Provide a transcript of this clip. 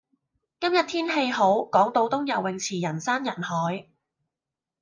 今日天氣好，港島東游泳池人山人海。